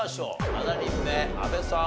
７人目阿部さん